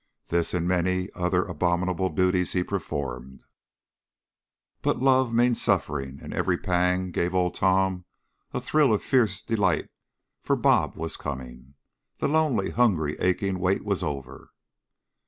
This and many other abominable duties he performed. But love means suffering, and every pang gave Old Tom a thrill of fierce delight for "Bob" was coming. The lonely, hungry, aching wait was over.